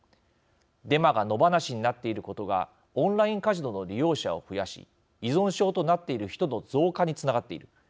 デマが野放しになっていることがオンラインカジノの利用者を増やし依存症となっている人の増加につながっている。